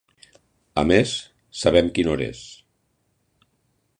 A més, sabem quina hora és.